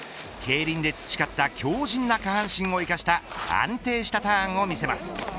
競輪で培った強靱な下半身を生かした安定したターンを見せます。